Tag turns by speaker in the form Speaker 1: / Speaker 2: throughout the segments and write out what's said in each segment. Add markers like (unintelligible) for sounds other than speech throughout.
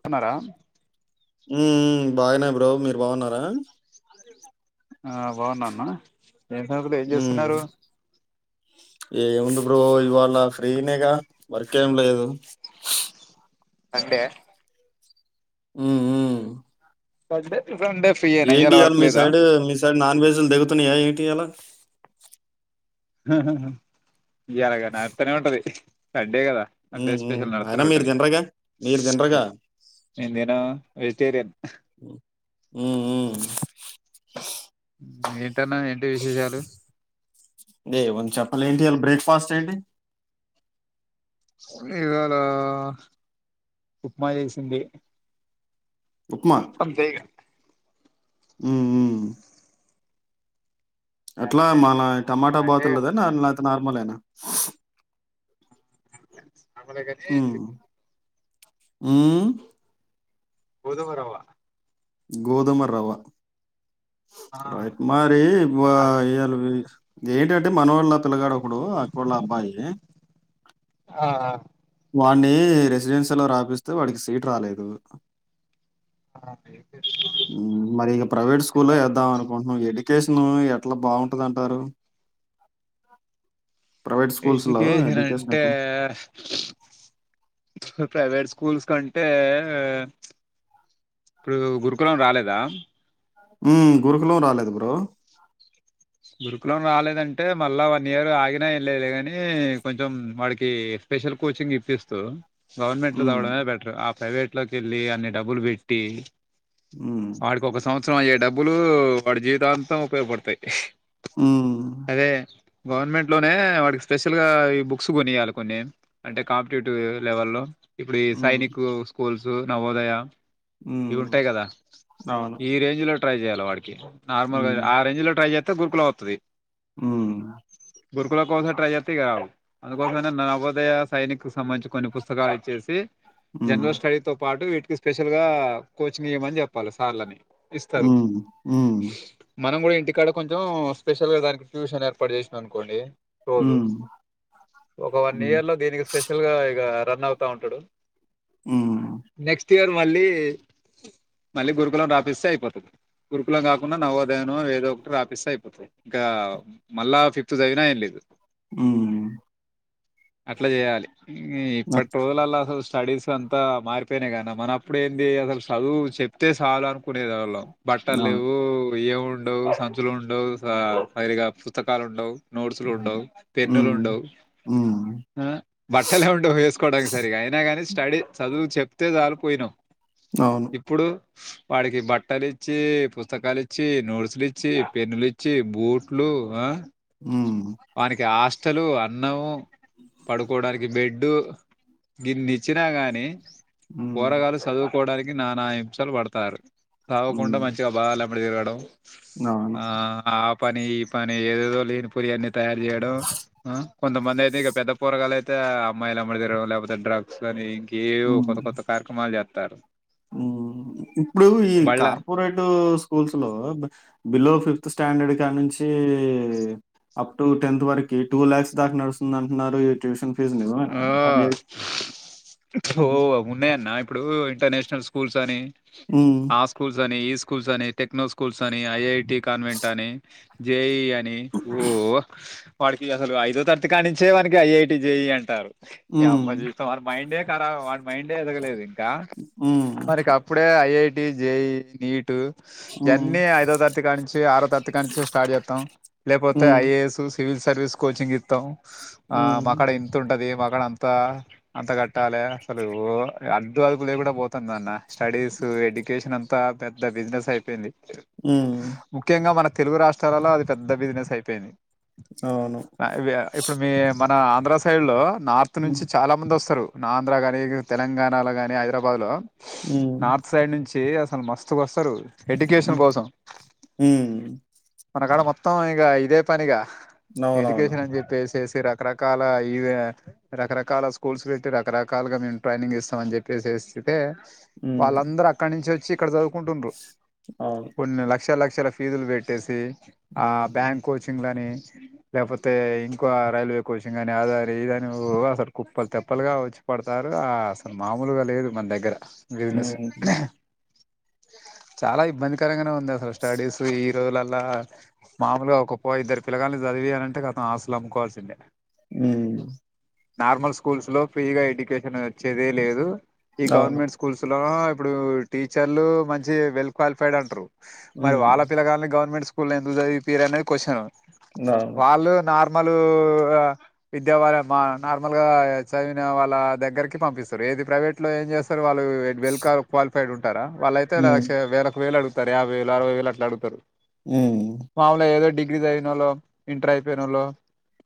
Speaker 1: పోన్నారా
Speaker 2: ఉ బాగునాయి bro మీరు బాగున్నారా
Speaker 1: ఆ బాగున్నాన్న ఏ సతులు ఏం
Speaker 2: హ్మ్.
Speaker 1: చేస్తున్నారు
Speaker 2: ఏముంది బ్రో ఇవాళ ఫ్రీనేగా వర్క్ ఏం లేదు
Speaker 1: అండే
Speaker 2: ఆ
Speaker 1: పడ్
Speaker 2: ఏంటి ఇయ్యాలి మీ సైడ్ మీ సైడ్ నాన్ వెజ్లు దిగుతున్నాయా ఏంటి చేలం
Speaker 1: ఎలాగా నా అతనే ఉంటది సండే కదా సే
Speaker 2: హ్మ్. హ్మ్.
Speaker 1: స్పెషల్
Speaker 2: అయినా మీరు
Speaker 1: నడతారుంది
Speaker 2: తినరుగా? మీరు తినరుగా?
Speaker 1: ఇడిను వెజిటేరియన్
Speaker 2: హ్మ్. హ్మ్.
Speaker 1: ఏంటన్న ఏంటి విశేషాలు
Speaker 2: ఏయ ఉంచంచప్ప మళ్ళ ఏం చెయాలి బ్రేక్ఫాస్ట్ ఏంటి
Speaker 1: ఇవాళ ఉప్మా చేసింది అంతేగా
Speaker 2: ఆ అట్లా మన టమాటా
Speaker 1: అంటే
Speaker 2: బాతుల్ద మలేనా
Speaker 1: అమలగానే ఇ
Speaker 2: ఆ
Speaker 1: గోధవరవ్వ
Speaker 2: గోధుమ రవ
Speaker 1: ఆ
Speaker 2: రైట్ మరి ఇ ఏళ ఎంటంటే మనొళ్ళ పిలగాడొకడు అక్కొళ్ళ అబ్బాయి
Speaker 1: ఆ
Speaker 2: వాన్ని రెసిడెన్షియ లో రాపిస్తే వాడికి సీట్ రాలేదు
Speaker 1: ఆ మేయ్
Speaker 2: మరి ఇగ ప్రైవేట్ స్కూల్లో ఎద్దాం
Speaker 1: ఆ
Speaker 2: అనుకుంటున్నాం ఎడిట్ లొకేషన్ ఎట్లా బాగుంటదంటారు
Speaker 1: ఎడ్యుకేషన్ అంటే ప్రైవేట్ స్ స్కూల్స్ కంటే ఎ ఎ ఇప్పుడు గురుకులం రాలేదా
Speaker 2: ఉ గురుకులమ్ రాలేదు బ్రో
Speaker 1: గురుకులం రాలేదంటే మళ్ళా వన్ ఇయర్ ఆగినా ఏంలేదులే కానీ కొంచెం వాడికి స్పెషల్ కోచింగ్ ఇప్పిస్తూ, గవర్మెంట్లో
Speaker 2: హ్మ్.
Speaker 1: చదవడనే బెటరు అప్ ప్రైవేట్ లోకెళ్ళి అన్ని డబ్బులు పెట్టి
Speaker 2: హ్మ్.
Speaker 1: వాడికోక సంవత్ సంవత్సరం అయ్యే డబ్బులు వాడి జీవితాంతం ఉపయోగపడతాయి.
Speaker 2: హ్మ్.
Speaker 1: అదే గవర్నమెంట్లోనే వాడికి స్పెషల్గా ఈ బుక్స్ కొనియాలి కొన్ని అంటే కాంపిటేటివ్ లెవెల్లో ఇప్పుడు ఈ
Speaker 2: హ్మ్.
Speaker 1: సైనిక్ స్కూల్స్ జు నవోదయ
Speaker 2: హ్మ్.
Speaker 1: ఇవుంటాయి కదా
Speaker 2: అవును.
Speaker 1: ఈ రేంజ్ లో ట్రై జేయాల వాడికి నార్మల్గా
Speaker 2: హ్మ్.
Speaker 1: ఆ రెంజ్ లో ట్రై చేత్ త్తె గురుకులం వత్తది
Speaker 2: హ్మ్
Speaker 1: గురుకుల కోసం ట్రై జెతే ఇగా అందుకోసమే నేన్ నవొదే ఉదయ సైనిక్ కు సంబంధించి కొన్ని పుస్తకాలు ఇచ్చేసి
Speaker 2: హ్మ్.
Speaker 1: జనరల్ స్టడీతో పాటు వీట్ ఇగ స్పెషల్ గా కోచింగ్ ఇయ్యమని చెప్పాలి సార్లని
Speaker 2: ఉ
Speaker 1: ఇస్తారు
Speaker 2: ఉ
Speaker 1: మనం కూడా ఇంటికాడక్ కొంచెం స్పెషల్ గా దానికి ట్యూషన్ ఏర్పాటు చేసిన అనుకోండి రోజు
Speaker 2: హ్మ్.
Speaker 1: ఒక వన్
Speaker 2: హ్మ్.
Speaker 1: ఇయర్ లో దీనికి స్పెషల్ గా ఇగ రన్ అవుతా ఉంటడు
Speaker 2: ఉ
Speaker 1: నెక్ట్స్ ఇయరు మళ్ళీ మళ్ళీ గురుకులం రాపిస్తే అయిపోతది గురుకులం కాకుండా నవోదయనో ఏదో ఒకటి రాపి మిస్ అయిపోతది ఇంకా మల్ల ఫిఫ్త్ చదివిన ఏం లేదు
Speaker 2: హ్మ్.
Speaker 1: అట్లా చేయాలి ఈ
Speaker 2: అ!
Speaker 1: ఇప్పటి రోజులలో అస స్టడీస్ అంతా మారిపోయిన కదా అన్న మన అప్పుడు ఏంది అసలు చదువు చెప్తే చాలు అనుకునే వాళ్ళం బట్టలు
Speaker 2: ఆ!
Speaker 1: లేవు ఏం గొం వుండవ్ బుక్కులు ఉండవచ సా సరిగ్గా పుస్తకాలు కూడా ఉండవ్ నోట్స్ లు ఉండవ్ పెన్నులు
Speaker 2: హ్మ్.
Speaker 1: ఉండవ్
Speaker 2: హ్మ్.
Speaker 1: హ బట్టలే ఉండవు వేసుకోవడానికి సరీగ అయినా కాని స్టడీ చదువు చెప్ ఇత్తే జాలు పోయినామ్
Speaker 2: అవును.
Speaker 1: ఇప్పుడు వాడికి బట్టలిచ్చి పుస్తకాలిచ్చి నోట్స్ లి ఇచ్చి పెనులిచ్చి బూట్లు ఆ
Speaker 2: హ్మ్.
Speaker 1: వానికి ఆ అసలు అన్నము పడుకోడానికి బెడ్డు దీన్నిచ్చినా గాని
Speaker 2: హ్మ్.
Speaker 1: పోరగాళ్లు చదువు కోవడానికి నానా హింసలు పడుతారు తాగకుండా
Speaker 2: హ్మ్.
Speaker 1: మంచిగా బాలెం అడిగి రాడం
Speaker 2: అవును.
Speaker 1: ఆహా పని ఈ పని ఏదేదొ లేనిపోని అ తయారు చేయడం ఆ కొంతమంది అయితే పెద్ద పోరగాండ్లు అంతా అమ్మాయిల వెంట తిరగడం లేకపోతే డ్రగ్స్ అని ఏవో కొత్త
Speaker 2: హ్మ్.
Speaker 1: కొత్త కార్యక్రమలు తారు
Speaker 2: ఇప్పుడు ఈ కార్పొరేటు స్కూల్స్ లో బిలో‌. ఫి ఫ్త్ స్టాండర్డ్ కా నుంచి ఏ అప్ టు టెన్త్ వరకి టూ లాక్స్ దాకా నడుస్తుంది అంటున్నారు ఈ ట్యూషన్ ఫీజు నిజమేనా?
Speaker 1: ఆ
Speaker 2: వన్ ఇయర్‌కి
Speaker 1: ఓ
Speaker 2: హ్మ్.
Speaker 1: అవునే అన్న ఇప్పుడు ఇంటర్నేషనల్ స్కూల్ పూల్స్ అని
Speaker 2: హ్మ్.
Speaker 1: ఆ స్కూల్స్ అని ఈ స్ స్కూల్స్ అని టెక్నో స్కూల్స్ అని ఐఐటి కాన్వెంట్ అని జే ఈ అ అని ఓ వాడికి అసలు ఐదో తరగతికానించే వానకి ఐఐటీ జెయ్యి అం రా రు ఎమ్
Speaker 2: హ్మ్.
Speaker 1: మజరి మాైండ్ ఎ రార వాడి మైండ్ర ఎదగలేది
Speaker 2: హ్మ్.
Speaker 1: మనకి అప్పుడే ఐఐ జై నటు
Speaker 2: హ్మ్.
Speaker 1: ఇవన్నీ ఐదో తరతికా నుంచి ఆరో తరతికా నుంచి స్టార్ట్ చేస్తాం లేకపోతే
Speaker 2: హ్మ్.
Speaker 1: ఐఏఎస్ సివిల్ సర్వీస్ కోచింగ్ ఇతాం ఆ
Speaker 2: హ్మ్.
Speaker 1: మాకడేం ఉంటది మా క్కడఅంతా అంత కట్టాలి అసలు అడ్డు అదుపు లేకుండా పోతాంది అన్న స్టడీస్ ఎడ్యుకేషన్ అంత పెద్ద బిజినెస్ అయిపోయింది
Speaker 2: ఆ
Speaker 1: ముఖ్యంగా మన తెలుగు రాష్ట్రాలలో అది పెద్ద బిజినెస్ అయిపోయింది
Speaker 2: అవును.
Speaker 1: ఇప్పుడు మీ మన ఆంధ్రస్ సైడ్లో నార్త్
Speaker 2: హ్మ్.
Speaker 1: నుంచి చాలా మంది వస్తారు. నాన్ధ్ర గాని, తెలంగాణలో గాని, హైదరాబాద్ లో
Speaker 2: హ్మ్.
Speaker 1: నార్త్ సైడ్ నుంచి అసల్ మస్త్ గోస్త్ వస్తారు ఎడ్యుకేషన్
Speaker 2: హ్మ్.
Speaker 1: కోసం
Speaker 2: హ్మ్.
Speaker 1: మనకాడ మొత్తం ఇక ఇదే పనిగా
Speaker 2: అవునవును.
Speaker 1: ఎడుకేషన్ అని చెప్పేసేసి ఈ రకరకాల ఇవే రకరకాల స్కూల్స్ పెట్టి రకరకాలుగా మేము ట్రైనింగ్ ఇస్తాంమని చెప్పేసిస్తే
Speaker 2: హ్మ్.
Speaker 1: వాళ్ళందరు అక్కడ నుంచి వచ్చి ఇక్కడ చదువ్ కుంట్రండ్రు
Speaker 2: అవును.
Speaker 1: కొన్ని లక్ష లక్ష క్షర ఫీజులు పెట్టేసి ఆ
Speaker 2: హ్మ్.
Speaker 1: బ్యాంక్ కోచింగ్ లని లేకపోతే ఇంకో రైల్వే కోచింగ్ అని నేన్ అదని ఇదని అసలు ఓ అసలు కుప్పలు తెప్పలుగా వచ్చి పడతారు. ఆ అసలు మామూలుగా లేదు మన దగ్గర బిసినెస్
Speaker 2: హ్మ్.
Speaker 1: చాలా ఇబ్బందికరంగానే ఉం ఉందసల్ స్టడీసు ఈ జో ల ల మామూలుగా ఒకప్ప ఇద్దరు పిలగాల్ని చదివియాలంటే కతం ఆస్తులు అమ్ముకోవాల్సిందే
Speaker 2: హ్మ్
Speaker 1: నార్మల్ స్కూల్స్ లో ఫ్రీగా ఎడ్యుకేషన్ వచ్చేదే లేదు ఈ
Speaker 2: అవును.
Speaker 1: గవర్నమెంట్ స్కూల్స్లో ఇప్పుడు టీచర్లు మంచి వెల్ క్వాలిఫైడ్ అంటారు. మరి
Speaker 2: హ్మ్.
Speaker 1: వాళ్ళ పిల్లగాల్ని గవర్మెంట్ స్కూ స్కూల్లో ఎందుకు చదివిపియారానే క్వశ్చను
Speaker 2: అవును.
Speaker 1: వాళ్ళు నార్మల్ విద్యా వాళ్ళ మా నార్మల్ గా చదివిన వాళ్ళ దగ్గరకి పంపిస్తారు ఏది ప్రైవేట్ లో ఏం చేస్తారు వాల్వి వేడ్ వెల్క క్వాలిఫై (unintelligible) టరా వాలైతే
Speaker 2: హ్మ్.
Speaker 1: లక్ష వేలకు వెల్ అడుగు యావైవేలు అరవైవేలు అట్లా అడుగుతారు
Speaker 2: హ్మ్.
Speaker 1: ఏదో ఇగ్రీజ్ అయిన వాళు ఇంటర్ అయిపోయి వాళ్ళు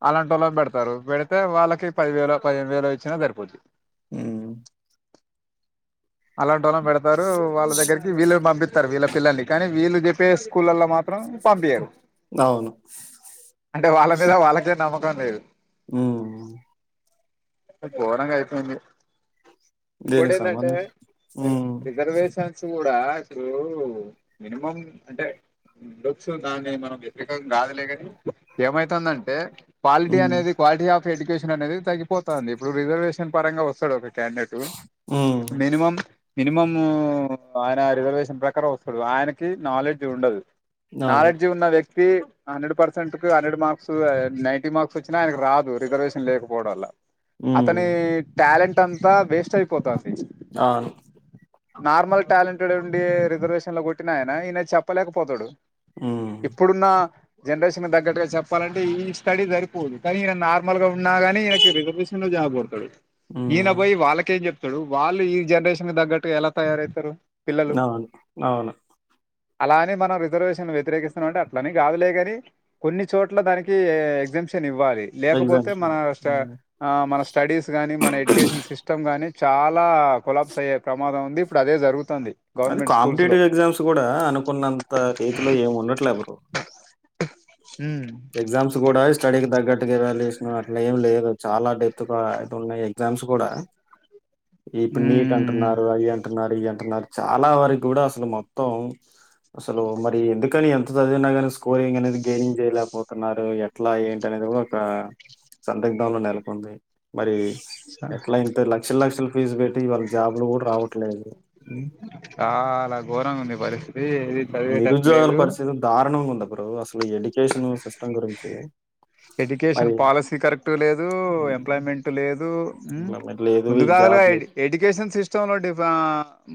Speaker 1: అలాంటి వాళ్ళ పెడత రు పెడితే వాళ్ళకి పది వేలు పదిహేది వేలు ఇచ్చినా సరిపోద్ది
Speaker 2: అ
Speaker 1: అలాంటి వాలం పెడతారు వాళ్ళ దగ్గకి వీళ్ళు పంపిస్తారు వీళ్ళ పిల్లల్ని కానీ వీళ్ళు చెప్పి పే స్కూల్లా మాత్రం
Speaker 2: అవును.
Speaker 1: అంటే వాళ్ళ మీద వాళ్ళకే నమ్మకం
Speaker 2: ఆ
Speaker 1: పోడాంగా అయితేంంది
Speaker 2: దేనికి
Speaker 1: రిజర్వేషన్స్ కూడా ఇప్పుడు మినిమం అంటే లుక్స్ దాని మనం వ్యతిరేకం కాదులే కాని ఏమైతుందంటే క్వాలిటీ
Speaker 2: హ్మ్.
Speaker 1: అనేది క్వాలిటీ ఆఫ్ ఎడ్యకేషన్ అనేది తగ్గిపోతుంది ఇప్పుడు రిజర్వేషన్ పరంగా వస్తాడు ఒకటి
Speaker 2: హ్మ్.
Speaker 1: మినిమం ఆయన రిజర్వేషన్ ప్రకారం వస్తుడు ఆయనకి నాలెడ్జ్ ఉండదు
Speaker 2: అవును.
Speaker 1: నాలెడ్జ్ హండ్రెడ్ పర్సెంట్ కు హండ్రెడ్ మార్క్స్ నైన్టీ మార్క్స్ వచ్చినా ఆయనకు రాదు రిజర్వేషన్ లేకపోవడం వల్ల
Speaker 2: హ్మ్.
Speaker 1: అతని టాలెంట్ త బేస్ట్ అయిపోతాంది
Speaker 2: అవును
Speaker 1: నార్మల్ టాలెంటెడ్ ఉండి రిజర్వేషన్ లో కొట్టి ఆయన ఈయన చెప్పలేకపోతాడు
Speaker 2: హ్మ్.
Speaker 1: ఎప్పుడున్నా జనరేషన్ తగ్గట్టుగా చెప్పాలంటే ఈ స్టడీ సరిపోదు కానీ ఈయన నార్మల్ గా ఉన్నాగానీ ఈయనకి రిజర్వేషన్ లో జాబడతాడు ఈనా
Speaker 2: హ్మ్.
Speaker 1: భయి వాళ్ళకే చెప్ వాళ్ళు ఈ జనరేషన్ దగ్గట్టు ఎలా తయారవుతారు.
Speaker 2: అవును అవును
Speaker 1: అలానే మనం రిజర్వేషన్ వ్యతిరేకిస్తున్నాం అంటే అట్లని కాదులేగాని కొన్ని చోట్ల దానికి ఎగ్జింషన్ ఇవ్వ ఇవ్వాలి లేకపోతే
Speaker 2: ఎగ్జామ్స్‌లో.
Speaker 1: మన స్ట
Speaker 2: హ్మ్.
Speaker 1: ఆ మన స్టడీస్ గానీ మన ఎడ్యుకేషన్ సిస్టమ్ గాని చాలా కులాబ్స్ అయ్యేమాదంంది ఇప్పుడు అదేరుగుంది
Speaker 2: అది కాంపిటేటివ్ ఎగ్జామ్స్ కూడా అనుకున్నంత చేతిలో ఏమి ఉండట్లే బ్రరు
Speaker 1: అ
Speaker 2: ఎగ్జామ్స్ కూడా స్టడీకి తగ్గట్టుగా వాల్యూయెషన్ అట్లా ఏం లేదు చాలా డెత్ తుకాయి అయితే ఉన్న ఎగ్జామ్స్ కూడా ఇప్పుడు నీట్
Speaker 1: ఉమ్
Speaker 2: అంటున్నారు అయి అంన్ అంటున్నార్ ఇయ్ అంటున్నారు చాలా వరకు కూడా అసలు మొత్తం అసలు మరి ఎందుకని ఎంత చదివిన కానీ స్కోరింగ్ అనేది గేనింగ్ చెయ్ అరే ఎట్లా ఏంటి అనేది కూడా ఒక సందిగ్ధంలో నెలకొంది మరి
Speaker 1: చా-
Speaker 2: ఎట్లా ఇంత లక్షల లక్షలు ఫీజు పెట్టి వాళ్ళ జాబులు కూడా రావట్లేదు మ్మ్
Speaker 1: చాలా ఘోరంగా ఉంది పరిస్థితి ఏది
Speaker 2: నిరుద్యోగాల
Speaker 1: చదివేటట్లేదు
Speaker 2: పరిస్థితి దారుణంగా ఉండది. బ్రో అసలు ఎడ్యుకేషన్
Speaker 1: ఎడ్యుకేషన్
Speaker 2: మరి
Speaker 1: పాలసీ కరెక్ట్ లేదు,
Speaker 2: హ్మ్.
Speaker 1: ఎంప్లాయ్మెంట్ లేదు. మ్
Speaker 2: లేదు ఈ
Speaker 1: ముందుకాదల్గా
Speaker 2: జాబ్లు
Speaker 1: ఇది ఎడ్యుకేషన్ సిస్టంలో డిఫ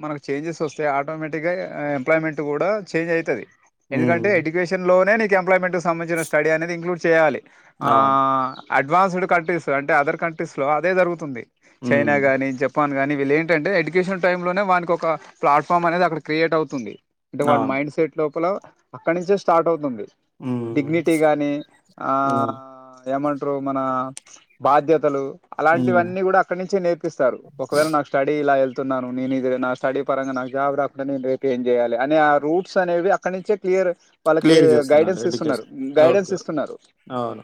Speaker 1: మనకు చేంజెస్ వస్తాయి ఆటోమేటిక్గా ఎంప్లాయ్మెంట్ కూడా చేంజ్ అయితది.
Speaker 2: హ్మ్.
Speaker 1: ఎందుకంటే ఎడ్యుకేషన్ లోనే నీక్ ఎంప్యమెంట్స్ సంచ స్టడ అనేది ఇంలూడ్ చేయాలి ఆ
Speaker 2: అవును.
Speaker 1: అడ్వాన్స్డ్ కంట్రీస్ అంటే అదర్ కంట్రీస్లో అదే జరుగుతుంది
Speaker 2: హ్మ్.
Speaker 1: చైనా గాని జపాన్ కాగానీ వీళ్ళ ఏంటంటే ఎడ్యుకేషన్ టై లోనే వానికికి ఒక పలాఫామ్ అనేది అక్కడ క్రియేట్ అవుతుంది అంటే వాళ
Speaker 2: అవును.
Speaker 1: మైండ్ సెట్ లోపల అక్కడ నుంచే స్టార్ట్ అవుతుంది
Speaker 2: హ్మ్.
Speaker 1: డిగ్నిటీ గాని ఆ
Speaker 2: అవును.
Speaker 1: ఏమంటారు మన బాధ్యతలు
Speaker 2: హ్మ్.
Speaker 1: అలాంటివన్నీ కూడా అక్కడి నుంచే నేర్పిస్తారు ఒకవేళ నాకు స్టడీ ఇలా వెళ్తు న్నాను నేను ఇది నా స్టడీ పరంగా నాకు జాబ్ రాకుండా నేను రేపు ఏం చేయాలి అని ఆ రూట్స్ అనేవి అక్కడ నుంచే క్లియర్ వాళ్ళకి
Speaker 2: క్లియర్
Speaker 1: గైడ్
Speaker 2: చేస్తున్నాడు
Speaker 1: ఇస్తు
Speaker 2: ఎడ్యుకేషన్.
Speaker 1: Guidance
Speaker 2: okay.
Speaker 1: ఇస్తున్నారు
Speaker 2: అవును.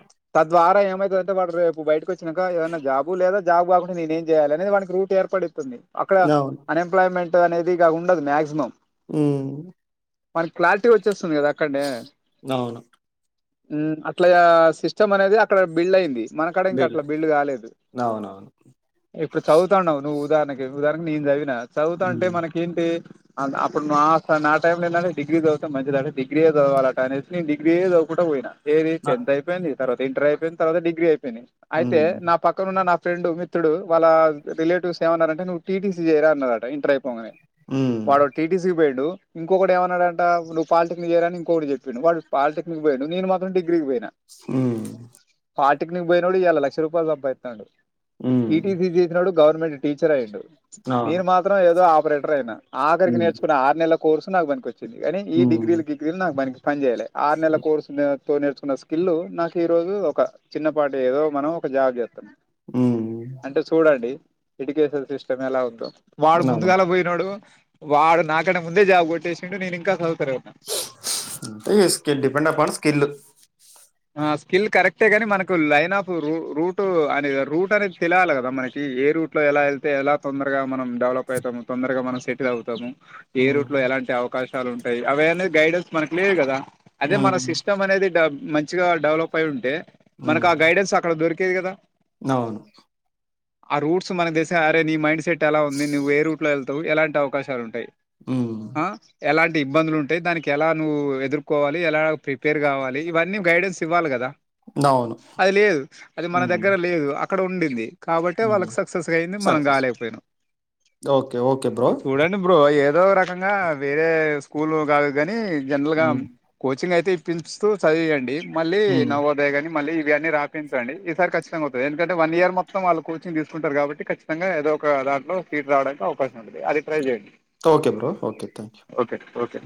Speaker 1: ద్వారా ఏమైతుందంటే వాడు రేపు బయటకిచ్చ చినక ఏదైనా జాబు లేదా జాబ్ కాకుంనేం చేయాలనేది వానకి రూట్ ఏర్పడిస్తుంది అక్కడ
Speaker 2: అవును.
Speaker 1: అన్ఎంప్లాయ్మెంట్ అనేది ఇ ఉండదు మాయాక్సిమం
Speaker 2: అ
Speaker 1: మనకి క్లారిటీ వచ్చేస్తుంది కదా అక్కడే
Speaker 2: అవును
Speaker 1: అట్లా సిస్టమ్ అనేది అక్కడ బిల్డ్ అయింది మనకడ ఇంక
Speaker 2: వీళ్ళు.
Speaker 1: అట్లా బిల్లు కాలేదు
Speaker 2: అవునవును.
Speaker 1: ఇప్పుడు చదువుతున్నావు నువ్వు ఉదాహరణ ఉదారణ నీందదావి నా చదువుతా అంటే
Speaker 2: హ్మ్.
Speaker 1: మనక ఏంటి అడు నా నా టైంలో లో ఏంటడి డిగ్రీ చదివితే మంచిద అంటడిగ్రీ చదవాల అ అనేది నేను డిగ్రీ అవకుడా పోయినా ఏ రీ
Speaker 2: ఆ!
Speaker 1: ఎంతయిపోయింది తర్వా ఇంటర్యి తర్వా డిగీయి అయితే
Speaker 2: హ్మ్.
Speaker 1: నా పక్కనన్న నా ఫ్రెండ్ మిత్రుడు వాళ్ళ రిలేటివ్స్ ఏమన్నారంటేవ్ టీసీ చేయరా అన్నారట ఇంటర్ పోనే
Speaker 2: హ్మ్.
Speaker 1: వాడ టిటిస బైడు ఇంకటి ఏమన్నడంట నువ్వు పిటిక్ చేయాలని ఇంకటి చెప్పా వాడుు పాలిక్ బయి ను నను మాత్రం డిగ్రి పోయినా
Speaker 2: ఆ
Speaker 1: పాటిక్ని బ పోయి నోడు ఎలాలక్ష రూపాయలు్బ్బయితు అండు ఈటి
Speaker 2: హ్మ్.
Speaker 1: దజయి నోడు గవర్మెంట్ టీచర్యింటడు
Speaker 2: అవును.
Speaker 1: మీన్ మాత్రం ఏదో ఆ స్పెటర్ అయినా ఆగరికి
Speaker 2: హ్మ్.
Speaker 1: నేర్చున్న ఆరు నెలలకు కోర్స్ నాకు్ చిడి కానీ ఈ
Speaker 2: హ్మ్.
Speaker 1: డిగ్రీ నాకు మ పంచజేల ఆర్ నెల కోర్నే తో నేర్చున్న స్కిల్ నాకు ఈ రోజు ఒక చిన్నపాటి ఏదో మనం ఒక జాబ్ చేస్తాం
Speaker 2: హ్మ్.
Speaker 1: అంటే చూడండి ఎడ్యూకేషన్ సిస్టమ్ ఎలా అవుదో వాడు
Speaker 2: అవును.
Speaker 1: ముందుగాలా పోయినాడు వాడ్ నాకన్న ముందే జాబ్ కొట్టేసిండు నన్ ఇంకా చద్ తీరగ్తన
Speaker 2: క డిపెండ్ అప్న్ స్కల్
Speaker 1: ఆ స్కిల్ కరెక్టే గాని మనకు లైన్ ఆఫ్ ర రూట్ అనే రూట్ అనేది తెలియాలి కదా మనకి ఏ రూట్ లో ఎలా వెళ్తే ఎలా తొందరగా మనం డెవలప్ అవుతాము తొందరగా మనం సెటిల్ అవుతాము ఏ
Speaker 2: హ్మ్.
Speaker 1: రూట్ లో ఎలాంటి అవకాశం చాలా ఉంటాయి అవే అనేది గైడెన్స్ మనకు లేదు కదా అదే మన
Speaker 2: హ్మ్.
Speaker 1: సిస్టమ్ అనేది మంచి మంచిగా డెవలప్ అయ్ ఉంటే మనకా
Speaker 2: హ్మ్.
Speaker 1: గైడెస్ అక్కడ దొరికి కే కదా
Speaker 2: అవును
Speaker 1: ఆ రూట్స్ మన దసే అరే నీ మైండ్ సెట్ ఎలా ఉంది నువ్వు ఏ రూట్ లో వెళ్తావు ఎలాంటి అవకాశాలు ఉంటాయి
Speaker 2: హ్మ్.
Speaker 1: ఆ ఎలాంటి ఇబ్బందులు ఉంటాయి దానికి ఎలా నువ్వు ఎదుర్కోవాలి ఎలా ప్రిపేర్ కావాలి ఇవన్నీ శివల్గదా
Speaker 2: అవును.
Speaker 1: అది లేదు అది మన
Speaker 2: హ్మ్.
Speaker 1: దగ్గర లేదు అక్కడ ఉండింది కాబట్
Speaker 2: హ్మ్.
Speaker 1: వాళ్ళకి సక్సెస్గా అయింది మనం
Speaker 2: సక్సెస్.
Speaker 1: కాలేకపోయినాం
Speaker 2: ఓకే. Okay bro.
Speaker 1: చూడండి బ్రో ఏన్ ఏదో రకంగా వేరే స్కూల్ కాదు కాని జనరల్ గా
Speaker 2: హ్మ్.
Speaker 1: కోచింగ్ అయితే పిలుపుస్తూ చదివయండి మళ్ళీ
Speaker 2: హ్మ్.
Speaker 1: నవోదయ గాని మళ్ళీ ఇవి అన్నీ రాపించండి ఈసారి ఖచ్చితంగావొతది ఎందుకంటే వన్ ఇయర్ మొత్తం వాళ్ళు కోచింగ్ తీసుకుంటారు కాబట్టి ఖచ్చితంగా ఏదో ఒక దాంట్లో సీట్ రాడానికి అవకాశం ఉంటది అది ట్రై చేయండి
Speaker 2: okay bro okay thank you
Speaker 1: okay okay